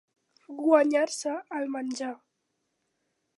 Guanyar-se el menjar.